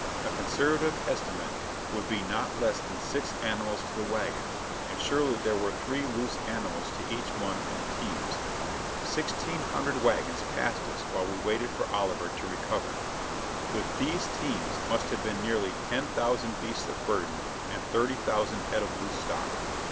A conservative estimate would be not less than six animals to the wagon, and surely there were three loose animals to each one in the teams. Sixteen hundred wagons passed us while we waited for Oliver to recover. With these teams must have been nearly ten thousand beasts of burden and thirty thousand head of loose stock.